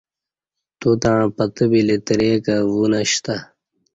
توتݩع پتہ بی لتریکہ وونشتہ